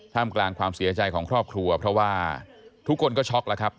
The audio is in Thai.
มกลางความเสียใจของครอบครัวเพราะว่าทุกคนก็ช็อกแล้วครับ